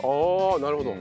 ああなるほど。